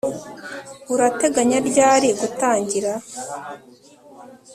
Urateganya ryari gutangira